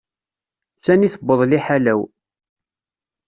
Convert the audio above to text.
Sani tuweḍ liḥala-w.